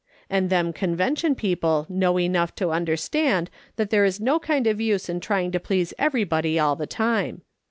And them Con vention people know enough to understand that there is no kind of use in trying to please everybody all the time.